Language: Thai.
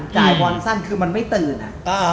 จ่ายบอลสั้นคือมันไม่ตื่นอะ